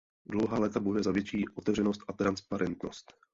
Dlouhá léta bojuje za větší otevřenost a transparentnost.